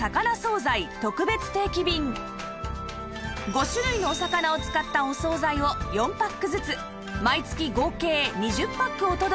５種類のお魚を使ったお惣菜を４パックずつ毎月合計２０パックお届けで